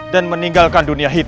dan meninggalkan dunia hitam